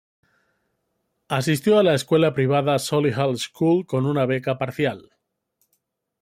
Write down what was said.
Asistió a la escuela privada Solihull School con una beca parcial.